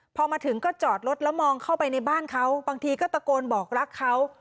พอมาถึงก็จอดรถแล้วมองเข้าไปในบ้านเขาบางทีก็ตะโกนบอกรักเขา